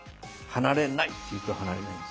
「離れない」って言うと離れないんです。